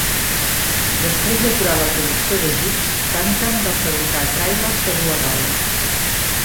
Després d'aturar la producció de jeeps, Bantam va fabricar tràilers de dues rodes.